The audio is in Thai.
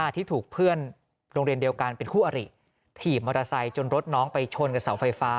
ที่ถูกเพื่อนโรงเรียนเดียวกันเป็นคู่อริถีบมอเตอร์ไซค์จนรถน้องไปชนกับเสาไฟฟ้า